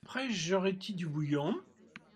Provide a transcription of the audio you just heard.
Après, j’aurais-t-y du bouillon ?